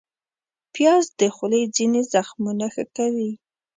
پیاز د خولې ځینې زخمونه ښه کوي